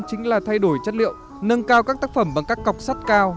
chính là thay đổi chất liệu nâng cao các tác phẩm bằng các cọc sắt cao